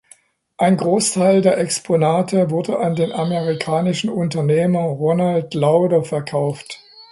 Ein Großteil der Exponate wurde an den amerikanischen Unternehmer Ronald Lauder verkauft.